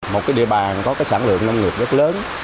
một địa bàn có sản lượng nông nghiệp rất lớn